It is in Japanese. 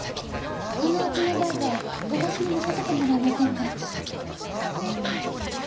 このうちの売買私に任せてもらえませんか？